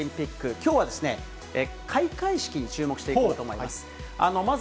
きょうはですね、開会式に注目していこうと思います。